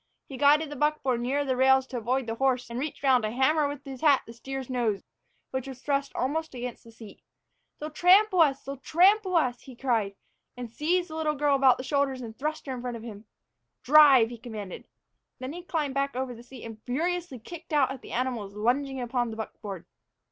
He guided the buckboard nearer the rails to avoid the horse and reached round to hammer with his hat the steer's nose, which was thrust almost against the seat. "They'll trample us, they'll trample us!" he cried, and he seized the little girl about the shoulders and thrust her in front of him. "Drive," he commanded. Then he climbed back over the seat and furiously kicked out at the animals lunging upon the buckboard.